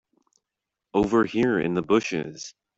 Over here in the bushes.